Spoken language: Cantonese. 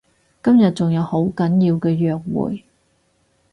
今日仲有好緊要嘅約會